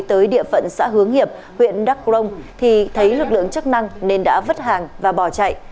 tới địa phận xã hướng hiệp huyện đắk rông thì thấy lực lượng chức năng nên đã vứt hàng và bỏ chạy